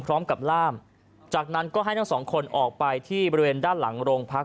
ล่ามจากนั้นก็ให้ทั้งสองคนออกไปที่บริเวณด้านหลังโรงพัก